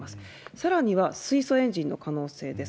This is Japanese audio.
さらには水素エンジンの可能性です。